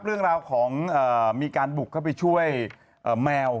เรื่องราวของมีการบุกเข้าไปช่วยแมว